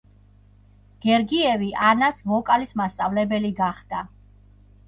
გერგიევი ანას ვოკალის მასწავლებელი გახდა.